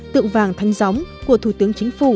tượng vàng thanh gióng của thủ tướng chính phủ